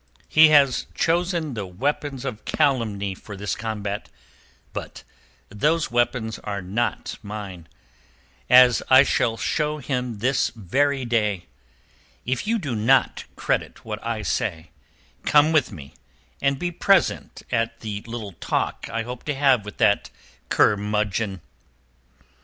He has chosen the weapons of calumny for this combat, but those weapons are not mine, as I shall show him this very day. If you do not credit what I say, come with me and be present at the little talk I hope to have with that curmudgeon."